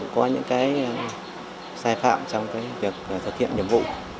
có những sai phạm trong việc thực hiện nhiệm vụ